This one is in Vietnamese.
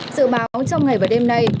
sự báo trong ngày và đêm nay